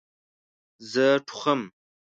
زه ټوخم